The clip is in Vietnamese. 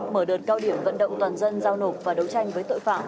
mở đợt cao điểm vận động toàn dân giao nộp và đấu tranh với tội phạm